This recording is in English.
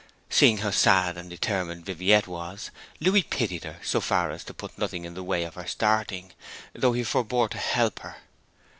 Seeing how sad and determined Viviette was, Louis pitied her so far as to put nothing in the way of her starting, though he forbore to help her.